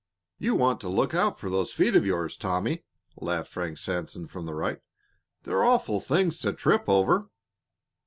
"You want to look out for those feet of yours, Tommy," laughed Frank Sanson, from the right. "They're awful things to trip over."